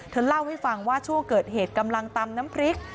เล่าให้ฟังว่าช่วงเกิดเหตุกำลังตำน้ำพริก